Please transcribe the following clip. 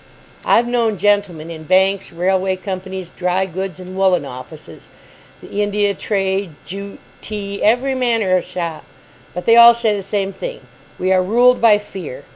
I've known gentlemen in banks, railway companies, dry goods, and woollen offices, the Indian trade, jute, tea—every manner of shop—but they all say the same thing, "We are ruled by fear."